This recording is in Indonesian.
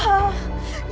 saya mau bangun